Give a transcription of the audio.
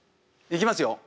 いきますよ。